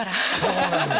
そうなんですよ。